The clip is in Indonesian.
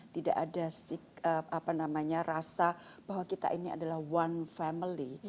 tidak ada rasa bahwa kita ini adalah one family